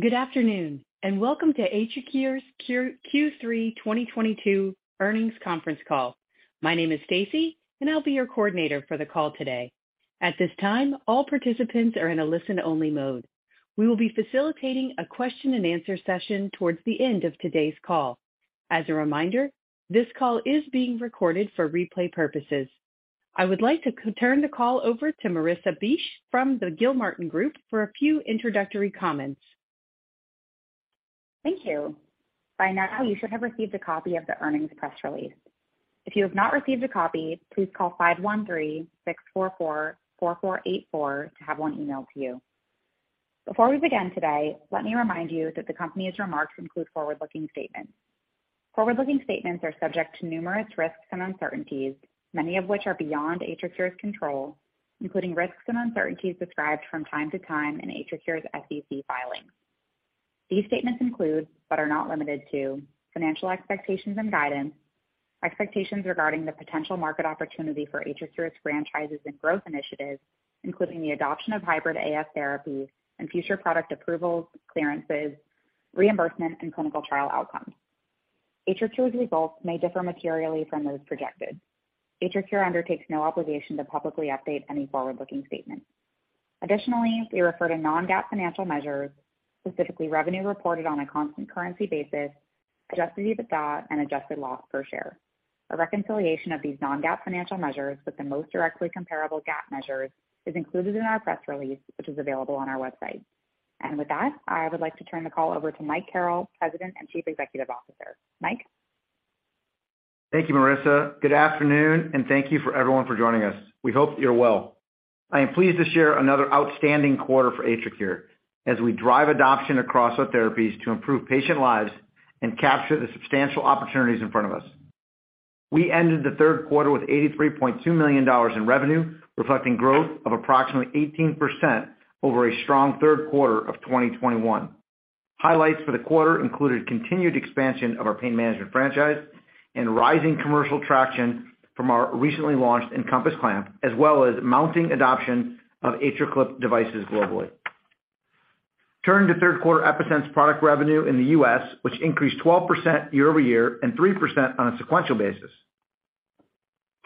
Good afternoon, and welcome to AtriCure's Q3 2022 Earnings Conference Call. My name is Stacy, and I'll be your coordinator for the call today. At this time, all participants are in a listen-only mode. We will be facilitating a question-and-answer session towards the end of today's call. As a reminder, this call is being recorded for replay purposes. I would like to turn the call over to Marissa Bych from the Gilmartin Group for a few introductory comments. Thank you. By now, you should have received a copy of the earnings press release. If you have not received a copy, please call 513-644-4484 to have one emailed to you. Before we begin today, let me remind you that the company's remarks include forward-looking statements. Forward-looking statements are subject to numerous risks and uncertainties, many of which are beyond AtriCure's control, including risks and uncertainties described from time to time in AtriCure's SEC filings. These statements include, but are not limited to, financial expectations and guidance, expectations regarding the potential market opportunity for AtriCure's franchises and growth initiatives, including the adoption of hybrid AF therapy and future product approvals, clearances, reimbursement, and clinical trial outcomes. AtriCure's results may differ materially from those projected. AtriCure undertakes no obligation to publicly update any forward-looking statement. Additionally, we refer to non-GAAP financial measures, specifically revenue reported on a constant currency basis, adjusted EBITDA, and adjusted loss per share. A reconciliation of these non-GAAP financial measures with the most directly comparable GAAP measures is included in our press release, which is available on our website. With that, I would like to turn the call over to Mike Carrel, President and Chief Executive Officer. Mike? Thank you, Marissa. Good afternoon, and thank you for everyone for joining us. We hope that you're well. I am pleased to share another outstanding quarter for AtriCure as we drive adoption across our therapies to improve patient lives and capture the substantial opportunities in front of us. We ended the third quarter with $83.2 million in revenue, reflecting growth of approximately 18% over a strong third quarter of 2021. Highlights for the quarter included continued expansion of our pain management franchise and rising commercial traction from our recently launched EnCompass Clamp, as well as mounting adoption of AtriClip devices globally. Turning to third quarter EPi-Sense product revenue in the U.S., which increased 12% year-over-year and 3% on a sequential basis.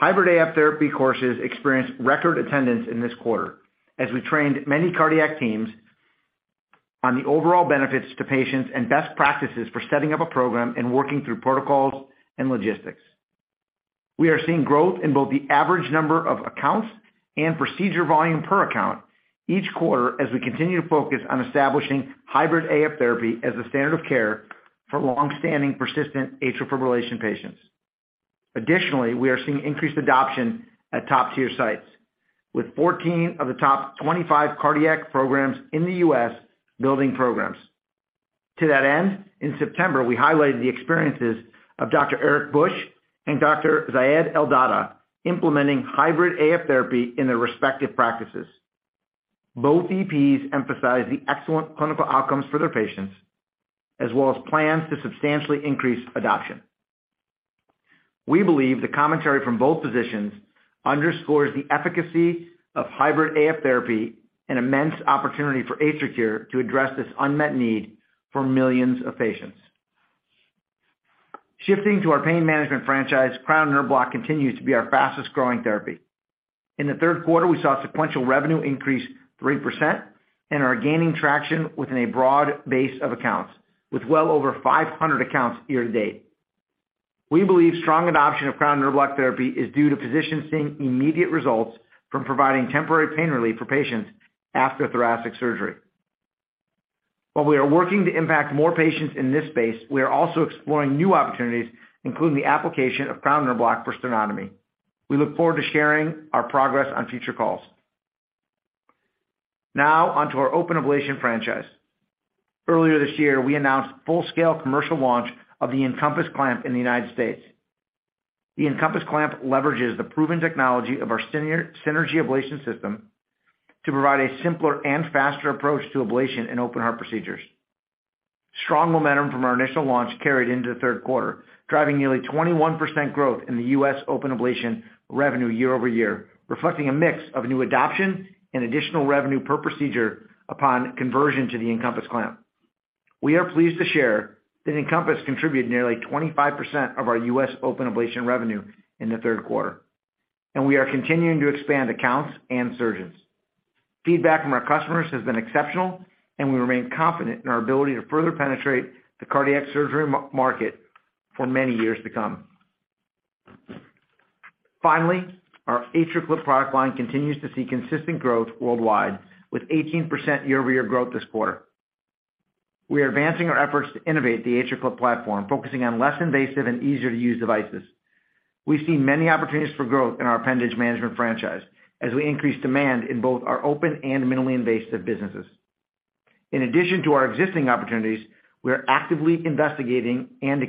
Hybrid AF therapy courses experienced record attendance in this quarter as we trained many cardiac teams on the overall benefits to patients and best practices for setting up a program and working through protocols and logistics. We are seeing growth in both the average number of accounts and procedure volume per account each quarter as we continue to focus on establishing hybrid AF therapy as a standard of care for long-standing persistent atrial fibrillation patients. Additionally, we are seeing increased adoption at top-tier sites, with 14 of the top 25 cardiac programs in the U.S. building programs. To that end, in September, we highlighted the experiences of Dr. Eric Bush and Dr. Zayd Eldadah implementing hybrid AF therapy in their respective practices. Both EPs emphasized the excellent clinical outcomes for their patients, as well as plans to substantially increase adoption. We believe the commentary from both physicians underscores the efficacy of hybrid AF therapy, an immense opportunity for AtriCure to address this unmet need for millions of patients. Shifting to our pain management franchise, Cryo Nerve Block continues to be our fastest-growing therapy. In the third quarter, we saw sequential revenue increase 3% and are gaining traction within a broad base of accounts, with well over 500 accounts year to date. We believe strong adoption of Cryo Nerve Block therapy is due to physicians seeing immediate results from providing temporary pain relief for patients after thoracic surgery. While we are working to impact more patients in this space, we are also exploring new opportunities, including the application of Cryo Nerve Block for sternotomy. We look forward to sharing our progress on future calls. Now on to our open ablation franchise. Earlier this year, we announced full-scale commercial launch of the EnCompass Clamp in the United States. The EnCompass Clamp leverages the proven technology of our Synergy ablation system to provide a simpler and faster approach to ablation in open heart procedures. Strong momentum from our initial launch carried into the third quarter, driving nearly 21% growth in the U.S. open ablation revenue year-over-year, reflecting a mix of new adoption and additional revenue per procedure upon conversion to the EnCompass Clamp. We are pleased to share that EnCompass contributed nearly 25% of our U.S. open ablation revenue in the third quarter, and we are continuing to expand accounts and surgeons. Feedback from our customers has been exceptional, and we remain confident in our ability to further penetrate the cardiac surgery market for many years to come. Finally, our AtriClip product line continues to see consistent growth worldwide, with 18% year-over-year growth this quarter. We are advancing our efforts to innovate the AtriClip platform, focusing on less invasive and easier-to-use devices. We see many opportunities for growth in our appendage management franchise as we increase demand in both our open and minimally invasive businesses. In addition to our existing opportunities, we are actively investigating an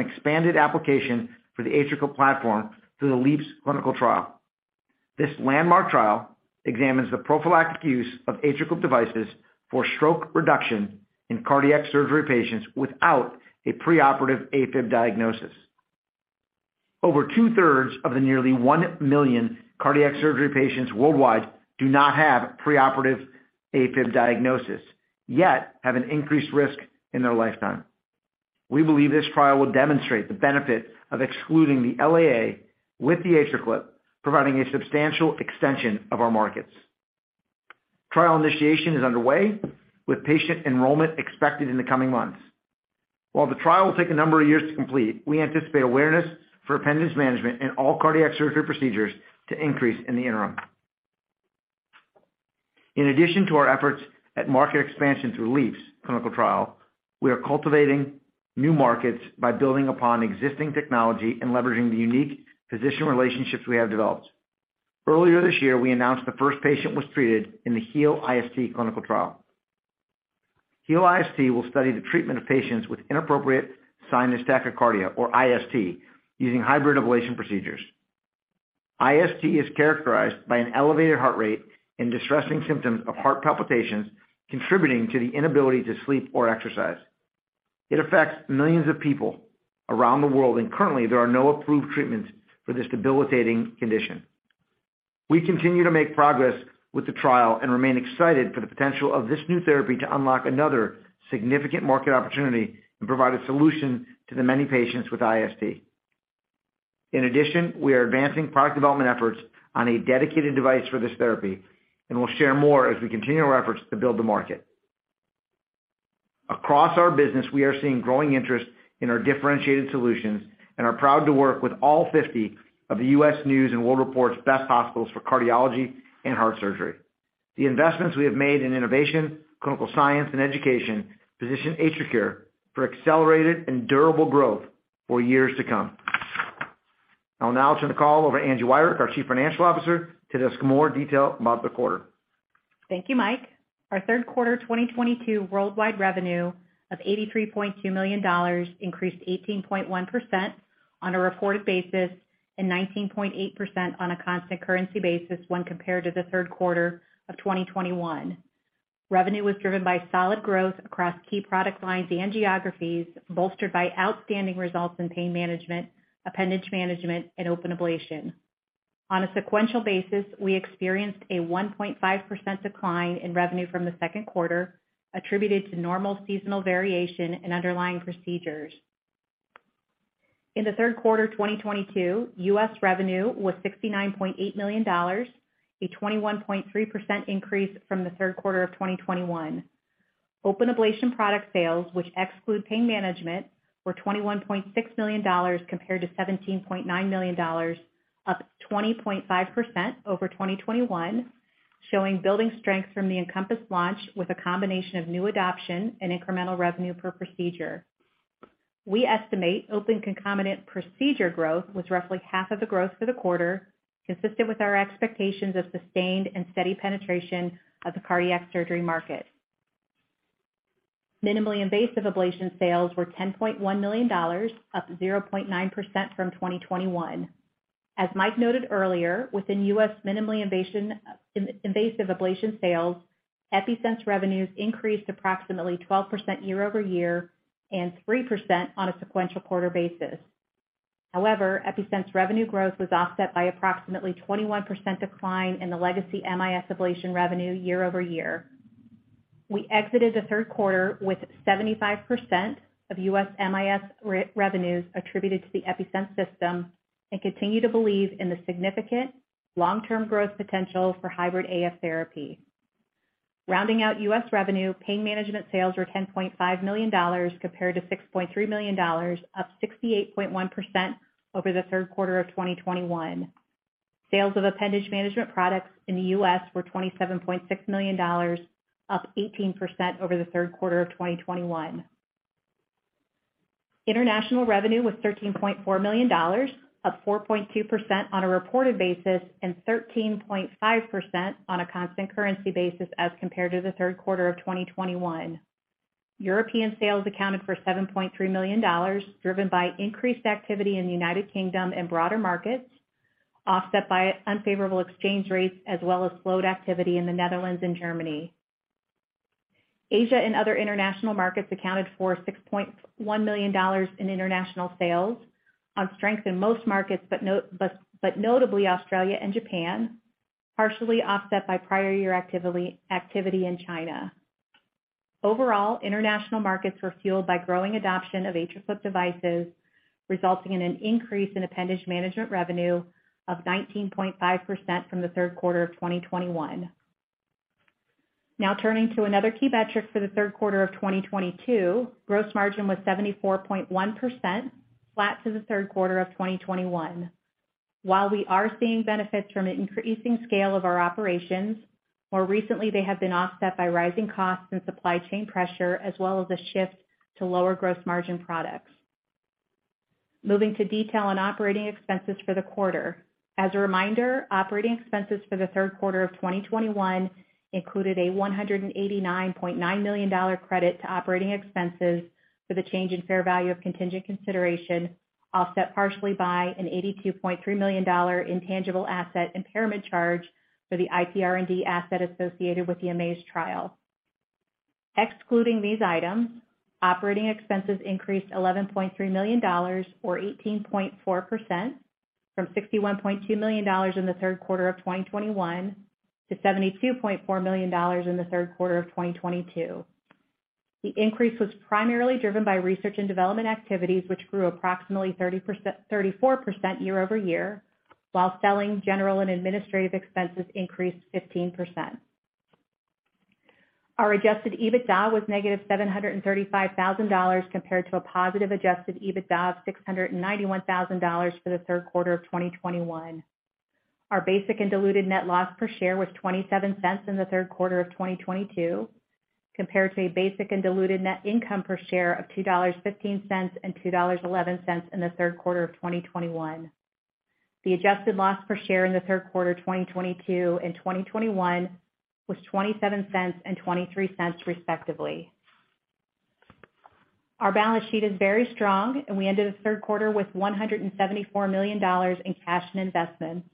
expanded application for the AtriClip platform through the LEAPS clinical trial. This landmark trial examines the prophylactic use of AtriClip devices for stroke reduction in cardiac surgery patients without a preoperative AFib diagnosis. Over two-thirds of the nearly 1 million cardiac surgery patients worldwide do not have preoperative AFib diagnosis, yet have an increased risk in their lifetime. We believe this trial will demonstrate the benefit of excluding the LAA with the AtriClip, providing a substantial extension of our markets. Trial initiation is underway, with patient enrollment expected in the coming months. While the trial will take a number of years to complete, we anticipate awareness for appendage management in all cardiac surgery procedures to increase in the interim. In addition to our efforts at market expansion through LEAPS clinical trial, we are cultivating new markets by building upon existing technology and leveraging the unique physician relationships we have developed. Earlier this year, we announced the first patient was treated in the HEAL-IST clinical trial. HEAL-IST will study the treatment of patients with inappropriate sinus tachycardia, or IST, using hybrid ablation procedures. IST is characterized by an elevated heart rate and distressing symptoms of heart palpitations contributing to the inability to sleep or exercise. It affects millions of people around the world, and currently there are no approved treatments for this debilitating condition. We continue to make progress with the trial and remain excited for the potential of this new therapy to unlock another significant market opportunity and provide a solution to the many patients with IST. In addition, we are advancing product development efforts on a dedicated device for this therapy, and we'll share more as we continue our efforts to build the market. Across our business, we are seeing growing interest in our differentiated solutions and are proud to work with all 50 of the U.S. News & World Report's best hospitals for cardiology and heart surgery. The investments we have made in innovation, clinical science, and education position AtriCure for accelerated and durable growth for years to come. I'll now turn the call over to Angie Wirick, our Chief Financial Officer, to discuss more detail about the quarter. Thank you, Mike. Our third quarter 2022 worldwide revenue of $83.2 million increased 18.1% on a reported basis and 19.8% on a constant currency basis when compared to the third quarter of 2021. Revenue was driven by solid growth across key product lines and geographies, bolstered by outstanding results in pain management, appendage management, and open ablation. On a sequential basis, we experienced a 1.5% decline in revenue from the second quarter, attributed to normal seasonal variation and underlying procedures. In the third quarter 2022, U.S. revenue was $69.8 million, a 21.3% increase from the third quarter of 2021. Open ablation product sales, which exclude pain management, were $21.6 million compared to $17.9 million, up 20.5% over 2021, showing building strength from the EnCompass launch with a combination of new adoption and incremental revenue per procedure. We estimate open concomitant procedure growth was roughly half of the growth for the quarter, consistent with our expectations of sustained and steady penetration of the cardiac surgery market. Minimally invasive ablation sales were $10.1 million, up 0.9% from 2021. As Mike noted earlier, within U.S. minimally invasive ablation sales, EPi-Sense revenues increased approximately 12% year-over-year and 3% on a sequential quarter basis. However, EPi-Sense revenue growth was offset by approximately 21% decline in the legacy MIS ablation revenue year-over-year. We exited the third quarter with 75% of U.S. MIS revenues attributed to the EPi-Sense system and continue to believe in the significant long-term growth potential for hybrid AF therapy. Rounding out U.S. revenue, pain management sales were $10.5 million compared to $6.3 million, up 68.1% over the third quarter of 2021. Sales of appendage management products in the U.S. were $27.6 million, up 18% over the third quarter of 2021. International revenue was $13.4 million, up 4.2% on a reported basis and 13.5% on a constant currency basis as compared to the third quarter of 2021. European sales accounted for $7.3 million, driven by increased activity in the United Kingdom and broader markets, offset by unfavorable exchange rates as well as slowed activity in the Netherlands and Germany. Asia and other international markets accounted for $6.1 million in international sales on strength in most markets, notably Australia and Japan, partially offset by prior year activity in China. Overall, international markets were fueled by growing adoption of AtriClip devices, resulting in an increase in appendage management revenue of 19.5% from the third quarter of 2021. Now turning to another key metric for the third quarter of 2022. Gross margin was 74.1%, flat to the third quarter of 2021. While we are seeing benefits from an increasing scale of our operations, more recently they have been offset by rising costs and supply chain pressure as well as a shift to lower gross margin products. Moving to detail on operating expenses for the quarter. As a reminder, operating expenses for the third quarter of 2021 included a $189.9 million credit to operating expenses for the change in fair value of contingent consideration, offset partially by an $82.3 million intangible asset impairment charge for the IPR&D asset associated with the AMAZE trial. Excluding these items, operating expenses increased $11.3 million or 18.4% from $61.2 million in the third quarter of 2021 to $72.4 million in the third quarter of 2022. The increase was primarily driven by research and development activities, which grew approximately 34% year-over-year, while selling general and administrative expenses increased 15%. Our adjusted EBITDA was -$735 thousand compared to a positive adjusted EBITDA of $691 thousand for the third quarter of 2021. Our basic and diluted net loss per share was $0.27 in the third quarter of 2022 compared to a basic and diluted net income per share of $2.15 and $2.11 in the third quarter of 2021. The adjusted loss per share in the third quarter 2022 and 2021 was $0.27 and $0.23, respectively. Our balance sheet is very strong, and we ended the third quarter with $174 million in cash and investments.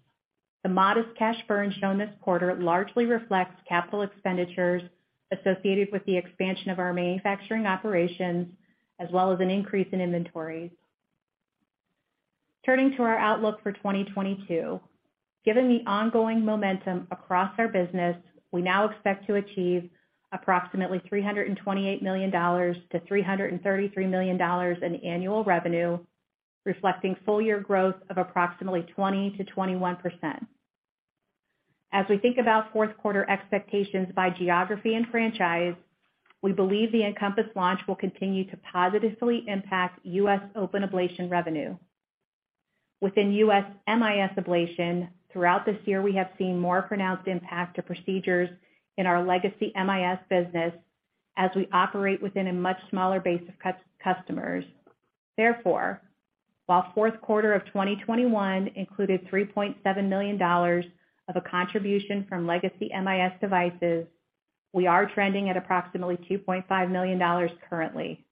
The modest cash burn shown this quarter largely reflects capital expenditures associated with the expansion of our manufacturing operations, as well as an increase in inventories. Turning to our outlook for 2022. Given the ongoing momentum across our business, we now expect to achieve approximately $328 million-$333 million in annual revenue, reflecting full year growth of approximately 20%-21%. As we think about fourth quarter expectations by geography and franchise, we believe the EnCompass launch will continue to positively impact U.S. open ablation revenue. Within U.S. MIS ablation, throughout this year, we have seen more pronounced impact to procedures in our legacy MIS business as we operate within a much smaller base of customers. Therefore, while fourth quarter of 2021 included $3.7 million of a contribution from legacy MIS devices, we are trending at approximately $2.5 million currently.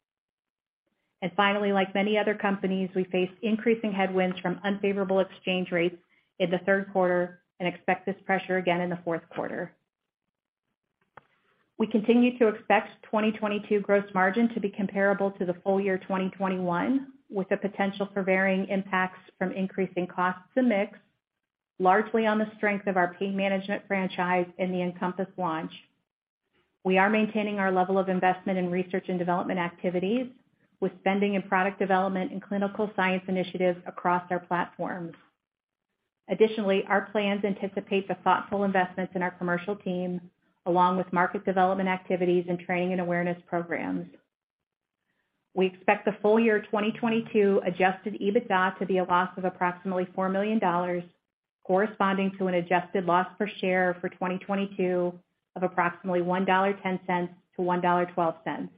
Finally, like many other companies, we face increasing headwinds from unfavorable exchange rates in the third quarter and expect this pressure again in the fourth quarter. We continue to expect 2022 gross margin to be comparable to the full year 2021, with the potential for varying impacts from increasing costs to mix, largely on the strength of our pain management franchise and the EnCompass launch. We are maintaining our level of investment in research and development activities with spending in product development and clinical science initiatives across our platforms. Additionally, our plans anticipate the thoughtful investments in our commercial team along with market development activities and training and awareness programs. We expect the full year 2022 adjusted EBITDA to be a loss of approximately $4 million, corresponding to an adjusted loss per share for 2022 of approximately $1.10-$1.12.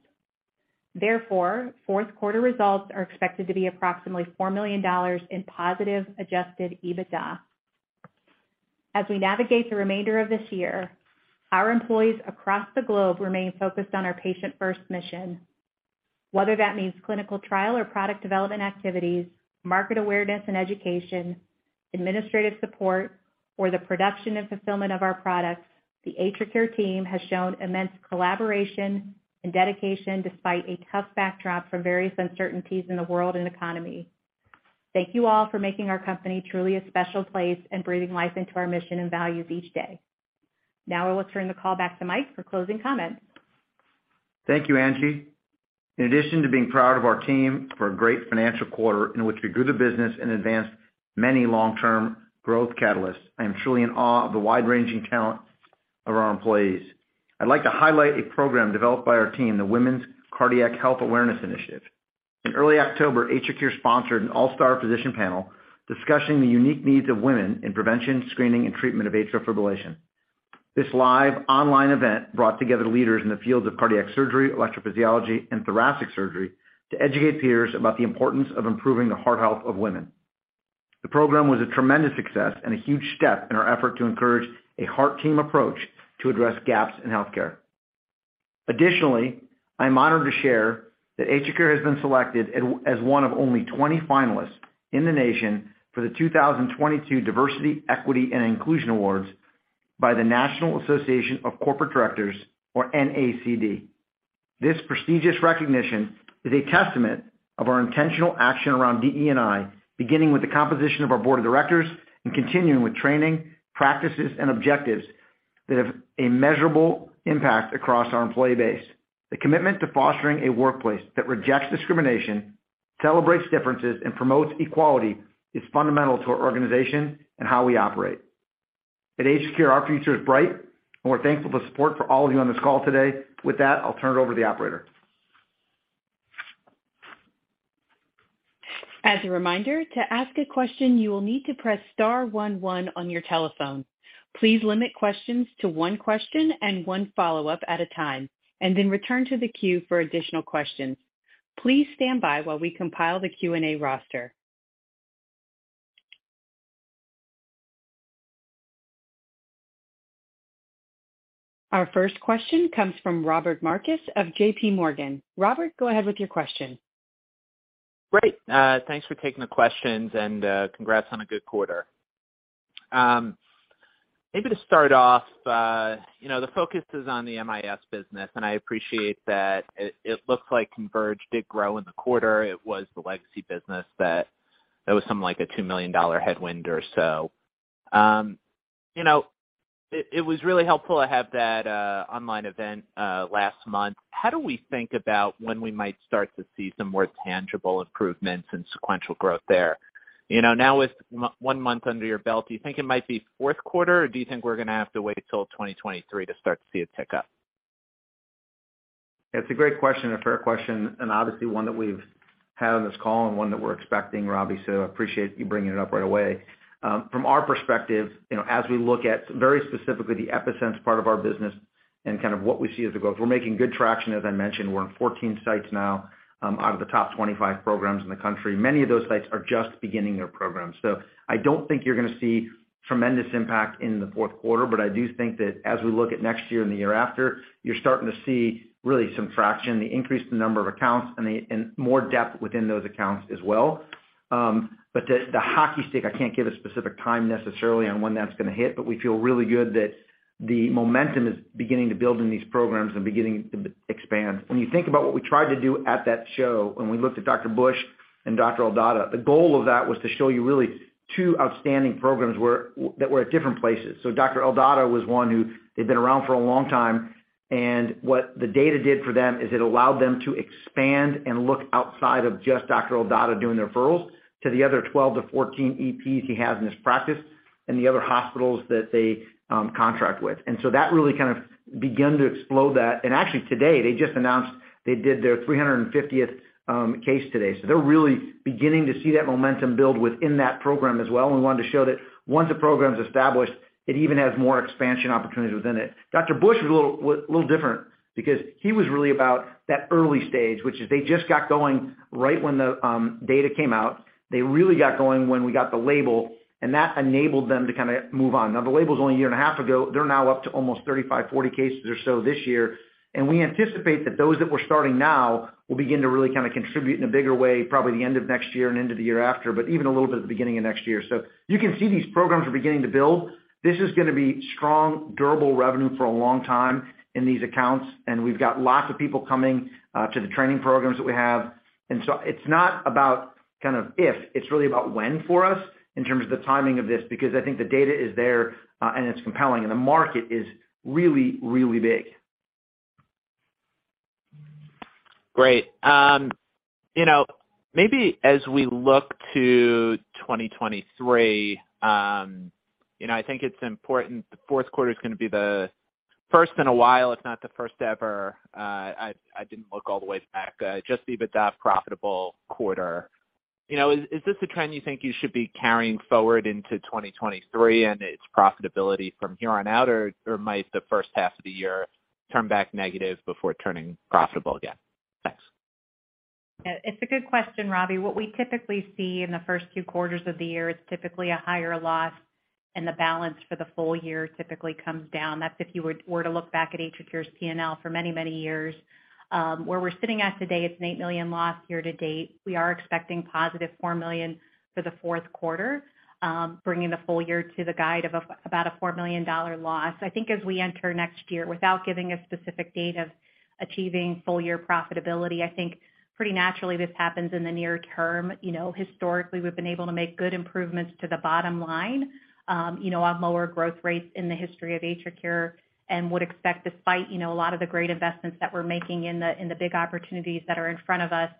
Therefore, fourth quarter results are expected to be approximately $4 million in positive adjusted EBITDA. As we navigate the remainder of this year, our employees across the globe remain focused on our patient-first mission. Whether that means clinical trial or product development activities, market awareness and education, administrative support, or the production and fulfillment of our products, the AtriCure team has shown immense collaboration and dedication despite a tough backdrop from various uncertainties in the world and economy. Thank you all for making our company truly a special place and breathing life into our mission and values each day. Now I will turn the call back to Mike for closing comments. Thank you, Angie. In addition to being proud of our team for a great financial quarter in which we grew the business and advanced many long-term growth catalysts, I am truly in awe of the wide-ranging talent of our employees. I'd like to highlight a program developed by our team, the Women's Cardiac Health Awareness Initiative. In early October, AtriCure sponsored an all-star physician panel discussing the unique needs of women in prevention, screening, and treatment of atrial fibrillation. This live online event brought together leaders in the fields of cardiac surgery, electrophysiology, and thoracic surgery to educate peers about the importance of improving the heart health of women. The program was a tremendous success and a huge step in our effort to encourage a heart team approach to address gaps in healthcare. Additionally, I am honored to share that AtriCure has been selected as one of only 20 finalists in the nation for the 2022 Diversity, Equity and Inclusion Awards by the National Association of Corporate Directors, or NACD. This prestigious recognition is a testament of our intentional action around DE&I, beginning with the composition of our board of directors and continuing with training, practices, and objectives that have a measurable impact across our employee base. The commitment to fostering a workplace that rejects discrimination, celebrates differences, and promotes equality is fundamental to our organization and how we operate. At AtriCure, our future is bright, and we're thankful for support for all of you on this call today. With that, I'll turn it over to the operator. As a reminder, to ask a question, you will need to press star one one on your telephone. Please limit questions to one question and one follow-up at a time, and then return to the queue for additional questions. Please stand by while we compile the Q&A roster. Our first question comes from Robert Marcus of JPMorgan. Robert, go ahead with your question. Great. Thanks for taking the questions, and congrats on a good quarter. Maybe to start off, you know, the focus is on the MIS business, and I appreciate that it looks like Converge did grow in the quarter. It was the legacy business that there was something like a $2 million headwind or so. You know, it was really helpful to have that online event last month. How do we think about when we might start to see some more tangible improvements in sequential growth there? You know, now with one month under your belt, do you think it might be fourth quarter, or do you think we're gonna have to wait till 2023 to start to see a tick-up? It's a great question, a fair question, and obviously one that we've had on this call and one that we're expecting, Robbie, so I appreciate you bringing it up right away. From our perspective, you know, as we look at very specifically the EPi-Sense part of our business and kind of what we see as the growth, we're making good traction. As I mentioned, we're in 14 sites now, out of the top 25 programs in the country. Many of those sites are just beginning their program. So I don't think you're gonna see tremendous impact in the fourth quarter, but I do think that as we look at next year and the year after, you're starting to see really some traction, the increase in the number of accounts and the, and more depth within those accounts as well. the hockey stick, I can't give a specific time necessarily on when that's gonna hit, but we feel really good that the momentum is beginning to build in these programs and beginning to expand. When you think about what we tried to do at that show, when we looked at Dr. Bush and Dr. Eldadah, the goal of that was to show you really two outstanding programs that were at different places. Dr. Eldadah was one who they've been around for a long time, and what the data did for them is it allowed them to expand and look outside of just Dr. Eldadah doing the referrals to the other 12-14 EPs he has in his practice and the other hospitals that they contract with. that really kind of began to explode that. Actually today, they just announced they did their 350th case today. They're really beginning to see that momentum build within that program as well and wanted to show that once a program's established, it even has more expansion opportunities within it. Dr. Bush was a little different because he was really about that early stage, which is they just got going right when the data came out. They really got going when we got the label, and that enabled them to kinda move on. Now the label's only a year and a half ago. They're now up to almost 35, 40 cases or so this year. We anticipate that those that we're starting now will begin to really kinda contribute in a bigger way probably the end of next year and into the year after, but even a little bit at the beginning of next year. You can see these programs are beginning to build. This is gonna be strong, durable revenue for a long time in these accounts, and we've got lots of people coming, to the training programs that we have. It's not about kind of if, it's really about when for us in terms of the timing of this because I think the data is there, and it's compelling, and the market is really, really big. Great. You know, maybe as we look to 2023, you know, I think it's important the fourth quarter's gonna be the first in a while, if not the first ever, I didn't look all the way back, just EBITDA profitable quarter. You know, is this a trend you think you should be carrying forward into 2023 and it's profitability from here on out, or might the first half of the year turn back negative before turning profitable again? Thanks. Yeah. It's a good question, Robbie. What we typically see in the first two quarters of the year is typically a higher loss, and the balance for the full year typically comes down. That's if you were to look back at AtriCure's P&L for many, many years. Where we're sitting at today, it's a $8 million loss year to date. We are expecting +$4 million for the fourth quarter, bringing the full year to the guide of about a $4 million loss. I think as we enter next year, without giving a specific date of achieving full year profitability, I think pretty naturally this happens in the near term. You know, historically, we've been able to make good improvements to the bottom line, you know, on lower growth rates in the history of AtriCure and would expect despite, you know, a lot of the great investments that we're making in the big opportunities that are in front of us,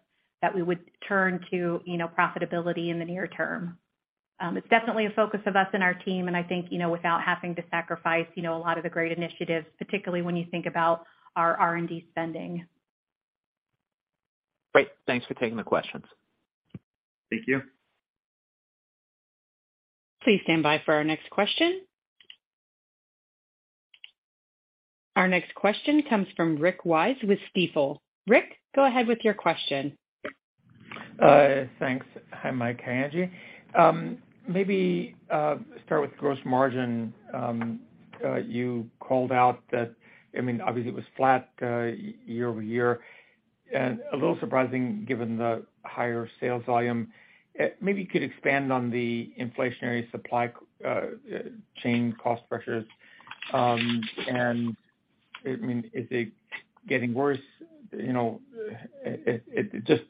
that we would turn to, you know, profitability in the near term. It's definitely a focus of us and our team, and I think, you know, without having to sacrifice, you know, a lot of the great initiatives, particularly when you think about our R&D spending. Great. Thanks for taking the questions. Thank you. Please stand by for our next question. Our next question comes from Rick Wise with Stifel. Rick, go ahead with your question. Thanks. Hi, Mike. Hi, Angie. Maybe start with gross margin. You called out that, I mean, obviously it was flat year over year, and a little surprising given the higher sales volume. Maybe you could expand on the inflationary supply chain cost pressures. I mean, is it getting worse? You know, just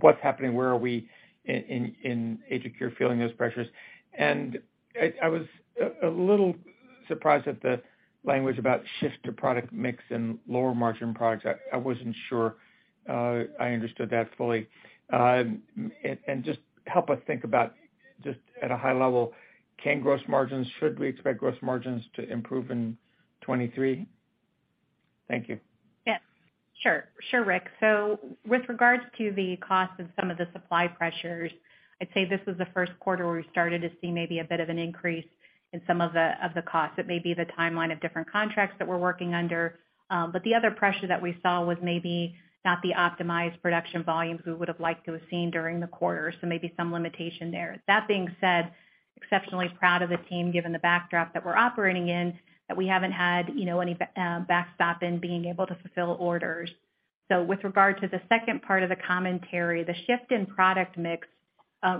what's happening? Where are we in AtriCure feeling those pressures? I was a little surprised at the language about shift to product mix and lower margin products. I wasn't sure I understood that fully. Just help us think about just at a high level, can gross margins, should we expect gross margins to improve in 2023? Thank you. Yeah. Sure. Sure, Rick. With regards to the cost of some of the supply pressures, I'd say this was the first quarter where we started to see maybe a bit of an increase in some of the costs. It may be the timeline of different contracts that we're working under. But the other pressure that we saw was maybe not the optimized production volumes we would've liked to have seen during the quarter. Maybe some limitation there. That being said, exceptionally proud of the team, given the backdrop that we're operating in, that we haven't had any backstop in being able to fulfill orders. With regard to the second part of the commentary, the shift in product mix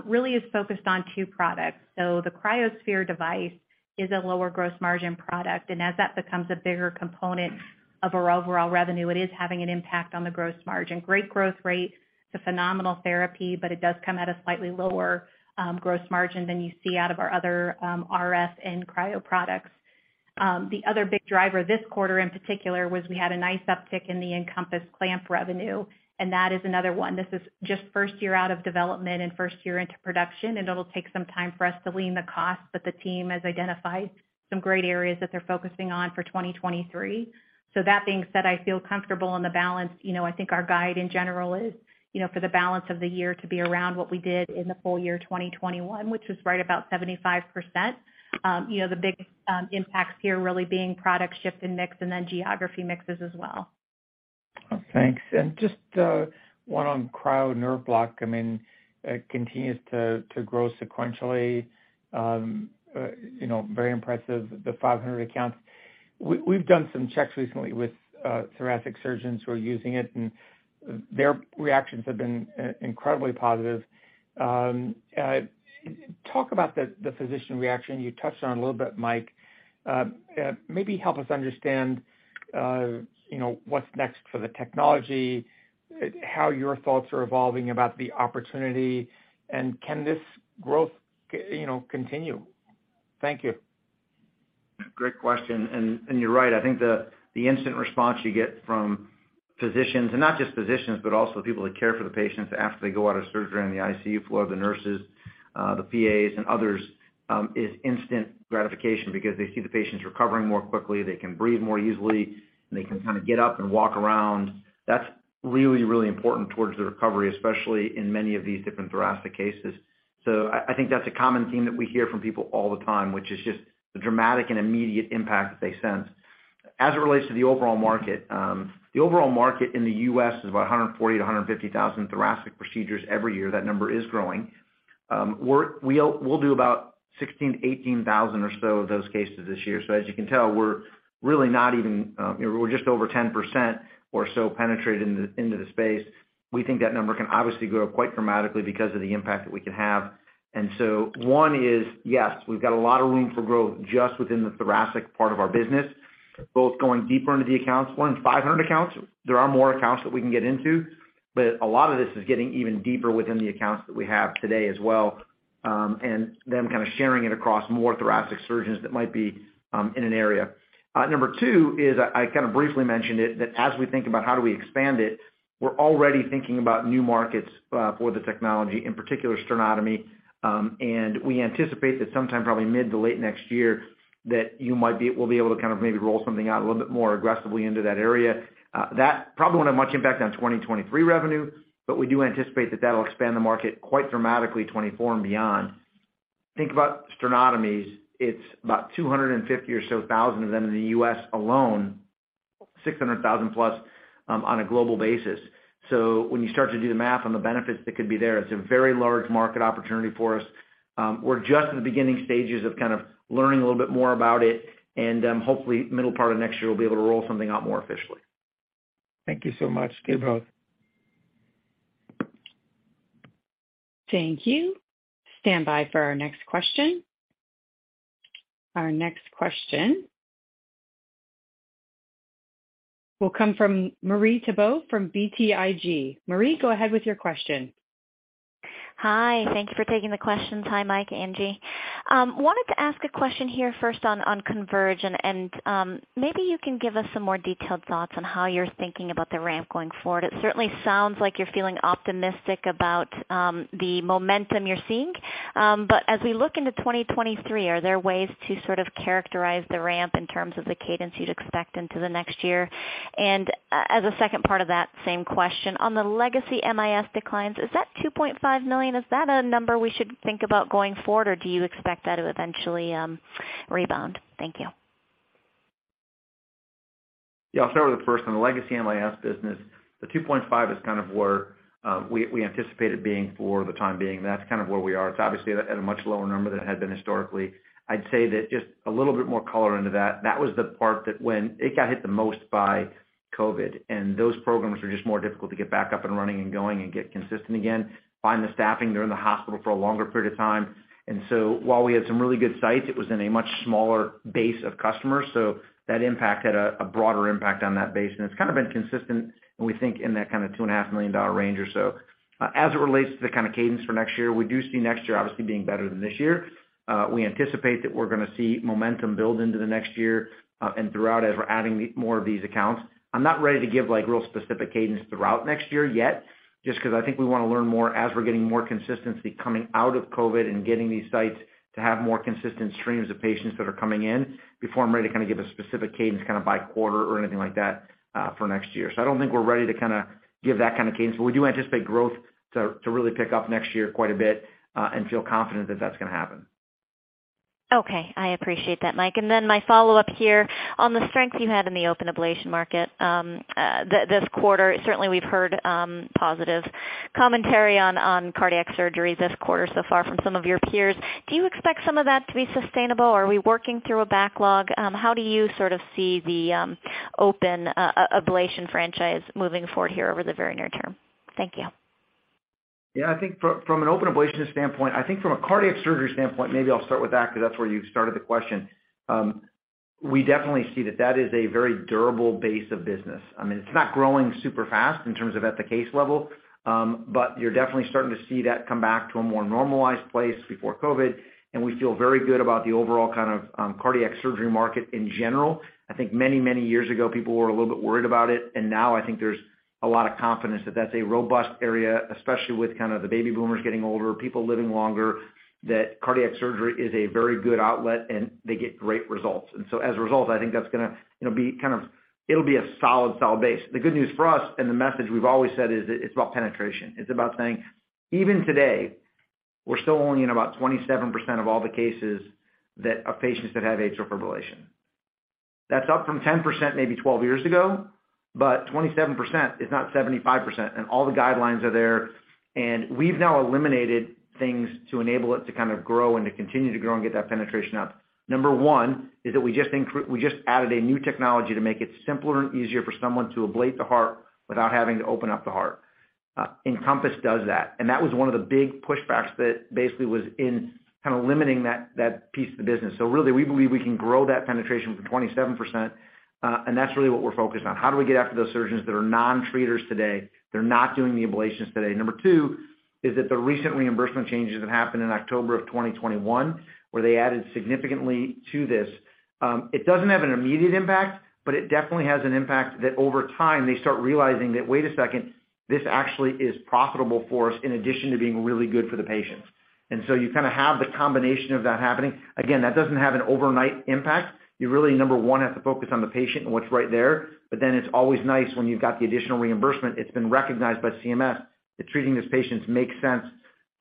really is focused on two products. The cryoSPHERE device is a lower gross margin product, and as that becomes a bigger component of our overall revenue, it is having an impact on the gross margin. Great growth rate, it's a phenomenal therapy, but it does come at a slightly lower gross margin than you see out of our other RF and cryo products. The other big driver this quarter in particular was we had a nice uptick in the EnCompass Clamp revenue, and that is another one. This is just first year out of development and first year into production, and it'll take some time for us to learn the cost, but the team has identified some great areas that they're focusing on for 2023. That being said, I feel comfortable in the balance. You know, I think our guide in general is, you know, for the balance of the year to be around what we did in the full year 2021, which was right about 75%. You know, the big impacts here really being product shift and mix, and then geography mixes as well. Thanks. Just one on Cryo Nerve Block. I mean, it continues to grow sequentially. You know, very impressive, the 500 accounts. We've done some checks recently with thoracic surgeons who are using it, and their reactions have been incredibly positive. Talk about the physician reaction. You touched on it a little bit, Mike. Maybe help us understand, you know, what's next for the technology, how your thoughts are evolving about the opportunity, and can this growth, you know, continue? Thank you. Great question. You're right. I think the instant response you get from physicians, and not just physicians, but also people that care for the patients after they go out of surgery on the ICU floor, the nurses, the PAs, and others, is instant gratification because they see the patients recovering more quickly. They can breathe more easily, and they can kind of get up and walk around. That's really, really important towards their recovery, especially in many of these different thoracic cases. I think that's a common theme that we hear from people all the time, which is just the dramatic and immediate impact that they sense. As it relates to the overall market, the overall market in the U.S. is about 140-150 thousand thoracic procedures every year. That number is growing. We'll do about 16,000-18,000 or so of those cases this year. As you can tell, we're just over 10% or so penetrated into the space. We think that number can obviously grow quite dramatically because of the impact that we can have. One is, yes, we've got a lot of room for growth just within the thoracic part of our business, both going deeper into the accounts. One in 500 accounts, there are more accounts that we can get into, but a lot of this is getting even deeper within the accounts that we have today as well, and them kind of sharing it across more thoracic surgeons that might be in an area. Number two is, I kind of briefly mentioned it, that as we think about how do we expand it, we're already thinking about new markets for the technology, in particular sternotomy. We anticipate that sometime probably mid to late next year, we'll be able to kind of maybe roll something out a little bit more aggressively into that area. That probably won't have much impact on 2023 revenue, but we do anticipate that that'll expand the market quite dramatically 2024 and beyond. Think about sternotomies. It's about 250,000 or so of them in the U.S. alone, 600,000+ on a global basis. When you start to do the math on the benefits that could be there, it's a very large market opportunity for us. We're just in the beginning stages of kind of learning a little bit more about it, and hopefully middle part of next year, we'll be able to roll something out more officially. Thank you so much. Good health. Thank you. Stand by for our next question. Our next question will come from Marie Thibault from BTIG. Marie, go ahead with your question. Hi. Thank you for taking the questions. Hi, Mike, Angie. Wanted to ask a question here first on Converge and maybe you can give us some more detailed thoughts on how you're thinking about the ramp going forward. It certainly sounds like you're feeling optimistic about the momentum you're seeing. But as we look into 2023, are there ways to sort of characterize the ramp in terms of the cadence you'd expect into the next year? As a second part of that same question, on the legacy MIS declines, is that $2.5 million? Is that a number we should think about going forward, or do you expect that to eventually rebound? Thank you. Yeah. I'll start with the first one. The legacy MIS business, the $2.5 is kind of where we anticipated being for the time being. That's kind of where we are. It's obviously at a much lower number than it had been historically. I'd say that just a little bit more color into that. That was the part that when it got hit the most by COVID, and those programs were just more difficult to get back up and running and going and get consistent again, find the staffing. They're in the hospital for a longer period of time. While we had some really good sites, it was in a much smaller base of customers. That impact had a broader impact on that base. It's kind of been consistent, and we think in that kind of $2.5 million range or so. As it relates to the kind of cadence for next year, we do see next year obviously being better than this year. We anticipate that we're gonna see momentum build into the next year, and throughout as we're adding more of these accounts. I'm not ready to give like real specific cadence throughout next year yet just 'cause I think we wanna learn more as we're getting more consistency coming out of COVID and getting these sites to have more consistent streams of patients that are coming in before I'm ready to kind of give a specific cadence kind of by quarter or anything like that, for next year. I don't think we're ready to kinda give that kind of cadence, but we do anticipate growth to really pick up next year quite a bit, and feel confident that that's gonna happen. Okay, I appreciate that, Mike. My follow-up here on the strength you had in the open ablation market, this quarter. Certainly, we've heard positive commentary on cardiac surgeries this quarter so far from some of your peers. Do you expect some of that to be sustainable? Are we working through a backlog? How do you sort of see the open ablation franchise moving forward here over the very near term? Thank you. Yeah, I think from an open ablation standpoint, I think from a cardiac surgery standpoint, maybe I'll start with that because that's where you started the question. We definitely see that is a very durable base of business. I mean, it's not growing super fast in terms of at the case level, but you're definitely starting to see that come back to a more normalized place before COVID, and we feel very good about the overall kind of cardiac surgery market in general. I think many, many years ago, people were a little bit worried about it, and now I think there's a lot of confidence that that's a robust area, especially with kind of the baby boomers getting older, people living longer, that cardiac surgery is a very good outlet, and they get great results. As a result, I think that's gonna, you know, be kind of, it'll be a solid base. The good news for us, and the message we've always said is that it's about penetration. It's about saying, even today, we're still only in about 27% of all the cases that are patients that have atrial fibrillation. That's up from 10% maybe 12 years ago, but 27% is not 75%. All the guidelines are there, and we've now eliminated things to enable it to kind of grow and to continue to grow and get that penetration up. Number one is that we just added a new technology to make it simpler and easier for someone to ablate the heart without having to open up the heart. EnCompass does that. That was one of the big pushbacks that basically was in kind of limiting that piece of the business. Really, we believe we can grow that penetration from 27%, and that's really what we're focused on. How do we get after those surgeons that are non-treaters today, they're not doing the ablations today? Number two is that the recent reimbursement changes that happened in October of 2021, where they added significantly to this, it doesn't have an immediate impact, but it definitely has an impact that over time, they start realizing that, wait a second, this actually is profitable for us in addition to being really good for the patients. You kind of have the combination of that happening. Again, that doesn't have an overnight impact. You really, number one, have to focus on the patient and what's right there, but then it's always nice when you've got the additional reimbursement. It's been recognized by CMS that treating these patients makes sense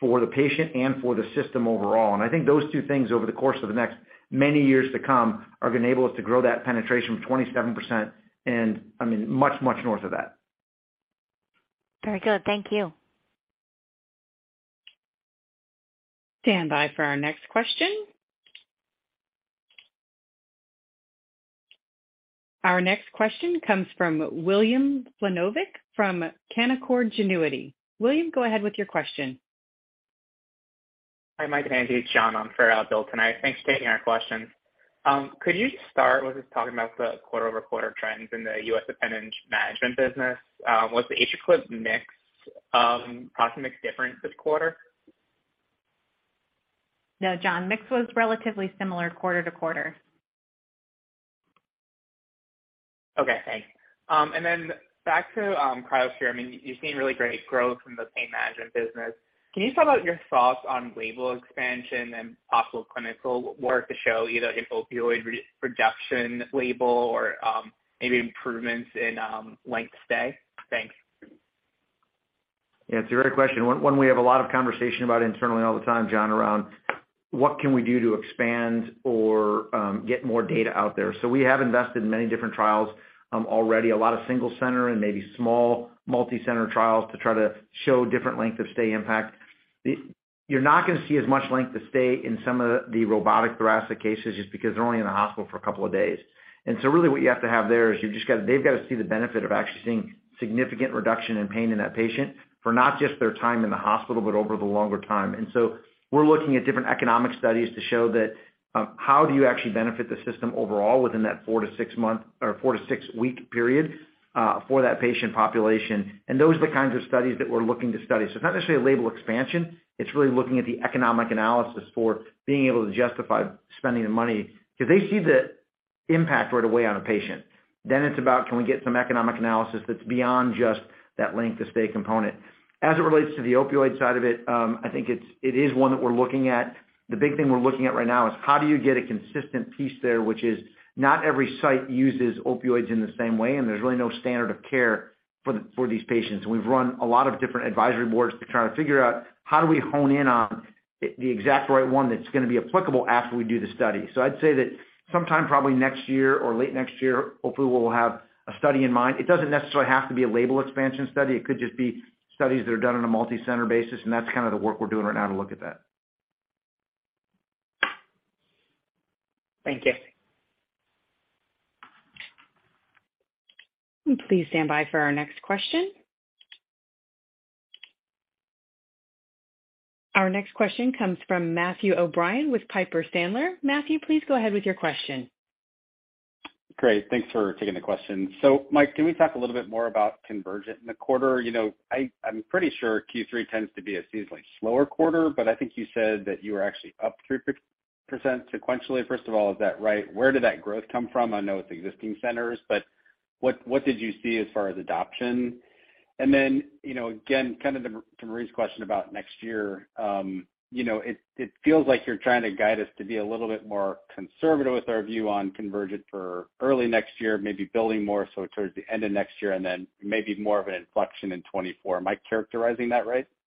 for the patient and for the system overall. I think those two things, over the course of the next many years to come, are gonna enable us to grow that penetration from 27% and, I mean, much, much north of that. Very good. Thank you. Stand by for our next question. Our next question comes from William Plovanic from Canaccord Genuity. William, go ahead with your question. Hi, Mike and Angie. It's John on for Bill tonight. Thanks for taking our questions. Could you start with just talking about the quarter-over-quarter trends in the U.S. appendage management business? Was the AtriClip mix, product mix different this quarter? No, John. Mix was relatively similar quarter to quarter. Okay, thanks. Back to cryoSPHERE. I mean, you've seen really great growth in the pain management business. Can you talk about your thoughts on label expansion and possible clinical work to show either if opioid reduction label or, maybe improvements in length stay? Thanks. Yeah, it's a great question. One we have a lot of conversation about internally all the time, John, around what can we do to expand or get more data out there. We have invested in many different trials already. A lot of single center and maybe small multi-center trials to try to show different length of stay impact. You're not gonna see as much length of stay in some of the robotic thoracic cases just because they're only in the hospital for a couple of days. Really what you have to have there is they've got to see the benefit of actually seeing significant reduction in pain in that patient for not just their time in the hospital but over the longer time. We're looking at different economic studies to show that, how do you actually benefit the system overall within that 4-6-month or 4-6-week period, for that patient population. Those are the kinds of studies that we're looking to study. It's not necessarily a label expansion, it's really looking at the economic analysis for being able to justify spending the money because they see the impact right away on a patient. It's about can we get some economic analysis that's beyond just that length of stay component. As it relates to the opioid side of it, I think it is one that we're looking at. The big thing we're looking at right now is how do you get a consistent piece there, which is not every site uses opioids in the same way, and there's really no standard of care for these patients. We've run a lot of different advisory boards to try to figure out how do we hone in on the exact right one that's gonna be applicable after we do the study. I'd say that sometime probably next year or late next year, hopefully we'll have a study in mind. It doesn't necessarily have to be a label expansion study. It could just be studies that are done on a multi-center basis, and that's kind of the work we're doing right now to look at that. Thank you. Please stand by for our next question. Our next question comes from Matthew O'Brien with Piper Sandler. Matthew, please go ahead with your question. Great. Thanks for taking the question. Mike, can we talk a little bit more about Converge in the quarter? You know, I'm pretty sure Q3 tends to be a seasonally slower quarter, but I think you said that you were actually up 3.5% sequentially. First of all, is that right? Where did that growth come from? I know it's existing centers, but what did you see as far as adoption? And then, you know, again, kind of to Marie's question about next year, you know, it feels like you're trying to guide us to be a little bit more conservative with our view on Converge for early next year, maybe building more so towards the end of next year and then maybe more of an inflection in 2024. Am I characterizing that right? Yeah,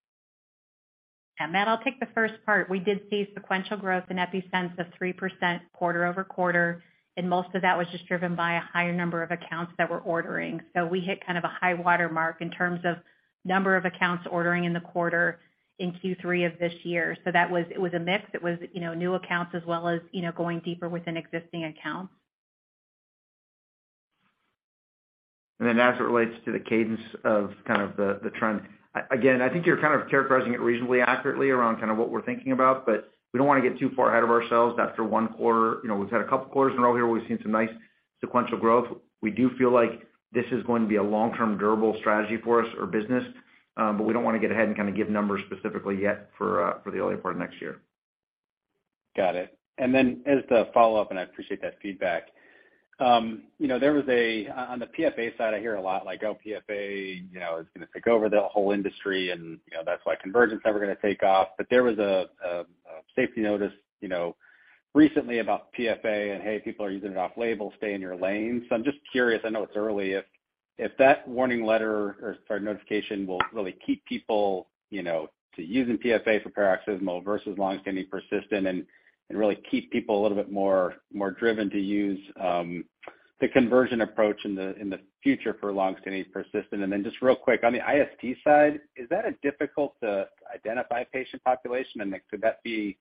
Matt, I'll take the first part. We did see sequential growth in EPi-Sense of 3% quarter-over-quarter, and most of that was just driven by a higher number of accounts that were ordering. We hit kind of a high water mark in terms of number of accounts ordering in the quarter in Q3 of this year. That was a mix. It was, you know, new accounts as well as, you know, going deeper within existing accounts. As it relates to the cadence of kind of the trend, again, I think you're kind of characterizing it reasonably accurately around kind of what we're thinking about, but we don't wanna get too far ahead of ourselves after one quarter. You know, we've had a couple quarters in a row here where we've seen some nice sequential growth. We do feel like this is going to be a long-term durable strategy for us or our business, but we don't wanna get ahead and kind of give numbers specifically yet for the earlier part of next year. Got it. As the follow-up, I appreciate that feedback. On the PFA side, I hear a lot like, oh, PFA, you know, is gonna take over the whole industry, and, you know, that's why conversions never gonna take off. There was a safety notice, you know, recently about PFA and, hey, people are using it off label, stay in your lane. I'm just curious, I know it's early, if that warning letter or, sorry, notification will really keep people, you know, to using PFA for paroxysmal versus long-standing persistent and really keep people a little bit more driven to use the conversion approach in the future for long-standing persistent. Just real quick, on the IST side, is that a difficult to identify patient population? Like, could that be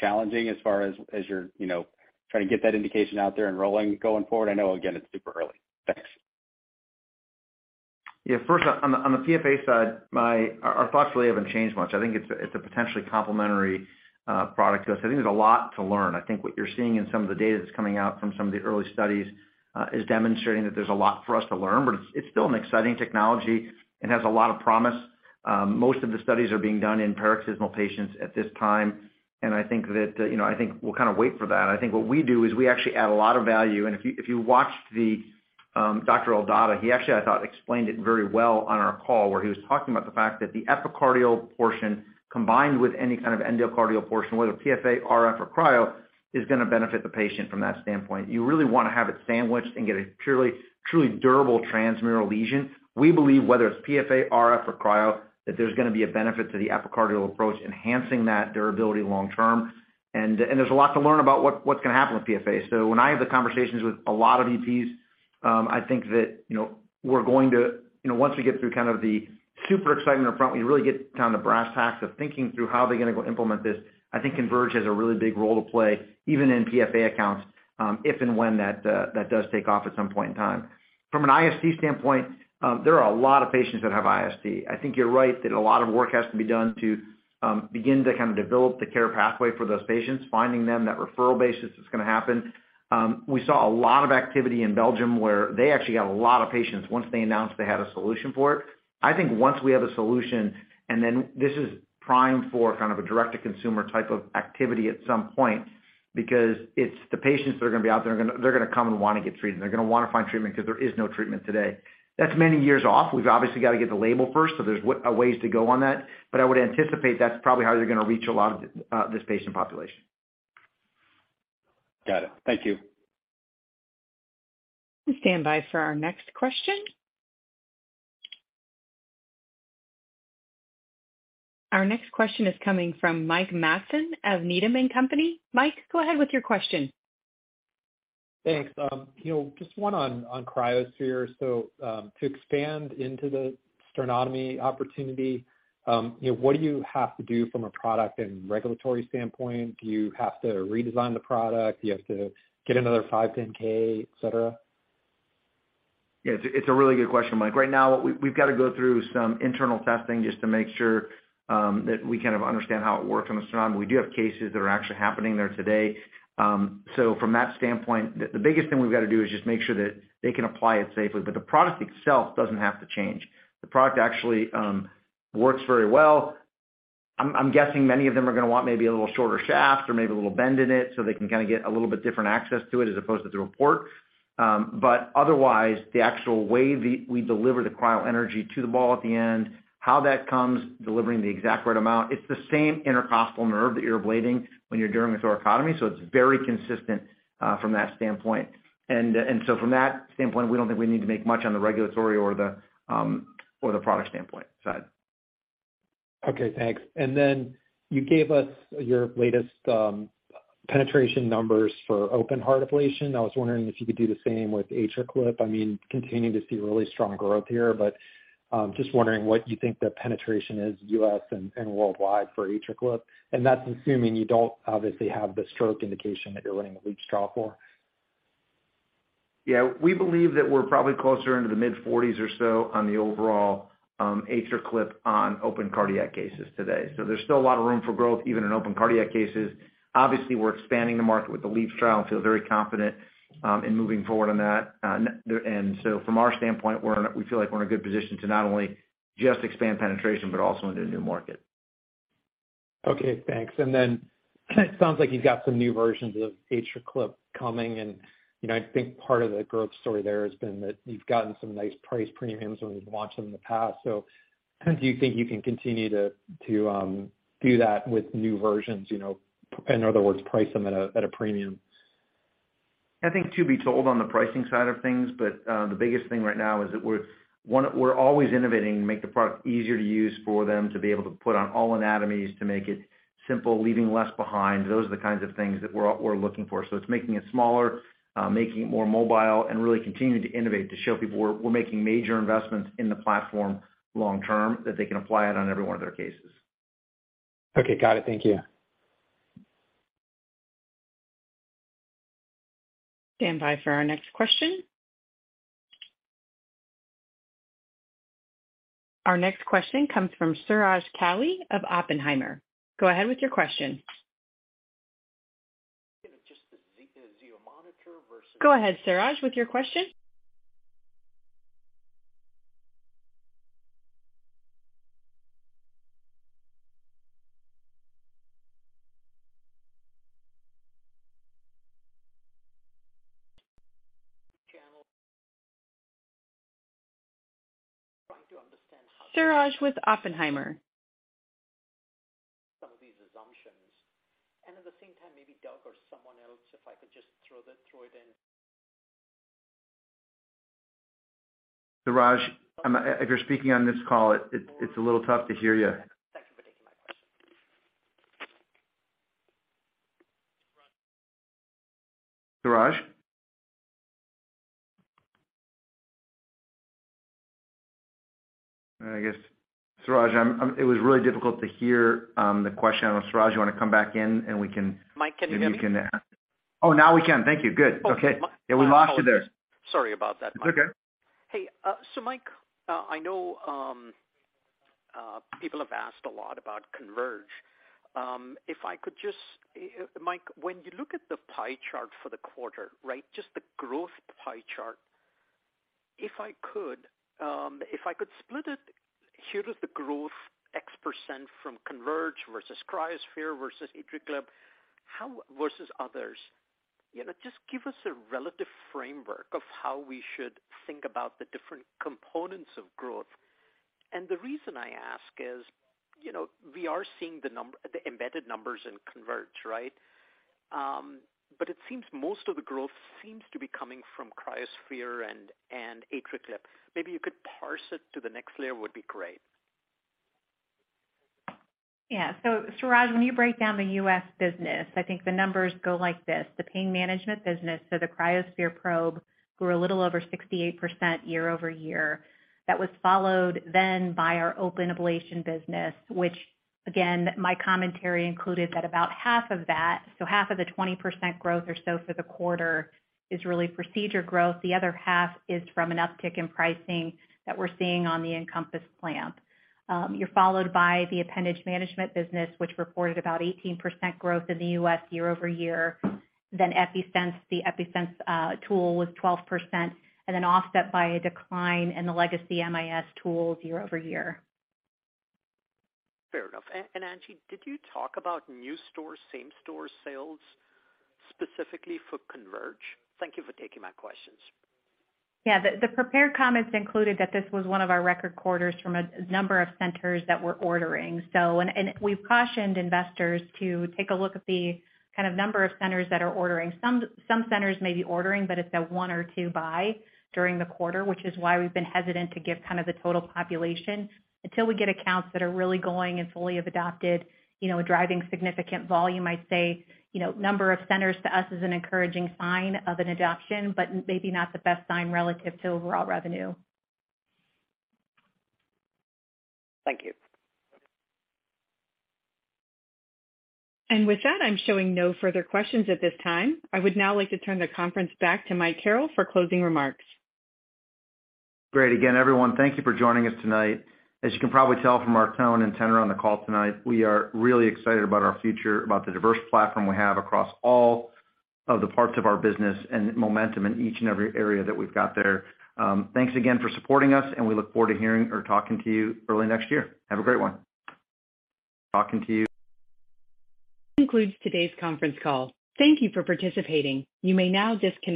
challenging as far as you're, you know, trying to get that indication out there and rolling going forward? I know, again, it's super early. Thanks. Yeah. First on the PFA side, our thoughts really haven't changed much. I think it's a potentially complementary product to us. I think there's a lot to learn. I think what you're seeing in some of the data that's coming out from some of the early studies is demonstrating that there's a lot for us to learn, but it's still an exciting technology and has a lot of promise. Most of the studies are being done in paroxysmal patients at this time, and I think that, you know, I think we'll kind of wait for that. I think what we do is we actually add a lot of value. If you watched the Dr. Eldadah, he actually, I thought, explained it very well on our call where he was talking about the fact that the epicardial portion, combined with any kind of endocardial portion, whether PFA, RF or cryo, is gonna benefit the patient from that standpoint. You really wanna have it sandwiched and get a purely truly durable transmural lesion. We believe whether it's PFA, RF or cryo, that there's gonna be a benefit to the epicardial approach enhancing that durability long term. There's a lot to learn about what's gonna happen with PFA. When I have the conversations with a lot of EPs, I think that, you know, we're going to. You know, once we get through kind of the super excitement up front, we really get kind of the brass tacks of thinking through how they're gonna go implement this. I think Converge has a really big role to play even in PFA accounts, if and when that does take off at some point in time. From an IST standpoint, there are a lot of patients that have IST. I think you're right that a lot of work has to be done to begin to kind of develop the care pathway for those patients, finding them that referral basis is gonna happen. We saw a lot of activity in Belgium, where they actually got a lot of patients once they announced they had a solution for it. I think once we have a solution, and then this is primed for kind of a direct to consumer type of activity at some point because it's the patients that are gonna be out there, they're gonna come and wanna get treated. They're gonna wanna find treatment because there is no treatment today. That's many years off. We've obviously got to get the label first, so there's a ways to go on that. I would anticipate that's probably how they're gonna reach a lot of this patient population. Got it. Thank you. Standby for our next question. Our next question is coming from Mike Matson of Needham & Company. Mike, go ahead with your question. Thanks. You know, just one on cryoSPHERE. To expand into the sternotomy opportunity, you know, what do you have to do from a product and regulatory standpoint? Do you have to redesign the product? Do you have to get another 510(k), etc.? Yeah, it's a really good question, Mike. Right now we've got to go through some internal testing just to make sure that we kind of understand how it works on the sternum. We do have cases that are actually happening there today. So from that standpoint, the biggest thing we've got to do is just make sure that they can apply it safely. But the product itself doesn't have to change. The product actually works very well. I'm guessing many of them are gonna want maybe a little shorter shaft or maybe a little bend in it, so they can kind of get a little bit different access to it as opposed to the retractor. Otherwise, the actual way we deliver the cryo energy to the ball at the end, how that comes, delivering the exact right amount, it's the same intercostal nerve that you're ablating when you're doing a thoracotomy. It's very consistent from that standpoint. From that standpoint, we don't think we need to make much on the regulatory or the product standpoint side. Okay, thanks. Then you gave us your latest penetration numbers for open heart ablation. I was wondering if you could do the same with AtriClip. I mean, continuing to see really strong growth here, but just wondering what you think the penetration is U.S. and worldwide for AtriClip. That's assuming you don't obviously have the stroke indication that you're running the LEAPS trial for. Yeah. We believe that we're probably closer into the mid-40s% or so on the overall AtriClip on open cardiac cases today. There's still a lot of room for growth, even in open cardiac cases. Obviously, we're expanding the market with the LEAPS trial and feel very confident in moving forward on that. From our standpoint, we feel like we're in a good position to not only just expand penetration, but also into a new market. Okay, thanks. Then it sounds like you've got some new versions of AtriClip coming, and, you know, I think part of the growth story there has been that you've gotten some nice price premiums when you've launched them in the past. Do you think you can continue to do that with new versions? You know, in other words, price them at a premium? I think TBD on the pricing side of things, but the biggest thing right now is that we're always innovating to make the product easier to use for them to be able to put on all anatomies, to make it simple, leaving less behind. Those are the kinds of things that we're looking for. It's making it smaller, making it more mobile, and really continuing to innovate to show people we're making major investments in the platform long-term that they can apply it on every one of their cases. Okay, got it. Thank you. Stand by for our next question. Our next question comes from Suraj Kalia of Oppenheimer. Go ahead with your question. Just the Zio monitor versus Go ahead, Suraj, with your question. Trying to understand how. Suraj with Oppenheimer. Some of these assumptions, and at the same time, maybe Doug or someone else, if I could just throw it in. Suraj, if you're speaking on this call, it's a little tough to hear you. Thanks for taking my question. Suraj? I guess, Suraj, it was really difficult to hear the question. Suraj, you wanna come back in and we can- Mike, can you hear me? Oh, now we can. Thank you. Good. Okay. Yeah, we lost you there. Sorry about that, Mike. It's okay. Hey, so, Mike, I know people have asked a lot about Converge. Mike, when you look at the pie chart for the quarter, right? Just the growth pie chart. If I could split it, here is the growth X% from Converge versus cryoSPHERE versus AtriClip versus others. You know, just give us a relative framework of how we should think about the different components of growth. The reason I ask is, you know, we are seeing the embedded numbers in Converge, right? But it seems most of the growth seems to be coming from cryoSPHERE and AtriClip. Maybe you could parse it to the next layer would be great. Yeah. Suraj, when you break down the U.S. business, I think the numbers go like this. The pain management business, the cryoSPHERE probe grew a little over 68% year-over-year. That was followed then by our open ablation business, which again, my commentary included that about half of that, half of the 20% growth or so for the quarter is really procedure growth. The other half is from an uptick in pricing that we're seeing on the EnCompass Clamp. That was followed by the appendage management business, which reported about 18% growth in the U.S. year-over-year. EPi-Sense tool was 12% and then offset by a decline in the legacy MIS tools year-over-year. Fair enough. Angie, did you talk about new store, same-store sales specifically for Converge? Thank you for taking my questions. Yeah. The prepared comments included that this was one of our record quarters from a number of centers that were ordering. We've cautioned investors to take a look at the kind of number of centers that are ordering. Some centers may be ordering, but it's that one or two buy during the quarter, which is why we've been hesitant to give kind of the total population until we get accounts that are really going and fully have adopted, you know, driving significant volume. I'd say, you know, number of centers to us is an encouraging sign of an adoption, but maybe not the best sign relative to overall revenue. Thank you. With that, I'm showing no further questions at this time. I would now like to turn the conference back to Michael Carrel for closing remarks. Great. Again, everyone, thank you for joining us tonight. As you can probably tell from our tone and tenor on the call tonight, we are really excited about our future, about the diverse platform we have across all of the parts of our business, and momentum in each and every area that we've got there. Thanks again for supporting us, and we look forward to hearing or talking to you early next year. Have a great one. Talking to you. This concludes today's conference call. Thank you for participating. You may now disconnect.